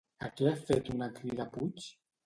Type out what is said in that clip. A què ha fet una crida Puig?